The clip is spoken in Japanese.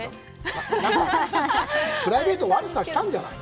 プライベート悪さしたんじゃないの？